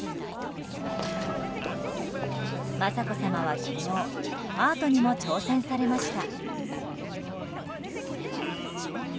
雅子さまは昨日アートにも挑戦されました。